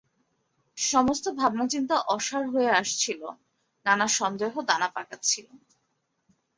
সমস্ত ভাবনাচিন্তা অসাড় হয়ে আসছিল, নানা সন্দেহ দানা পাকাচ্ছিল।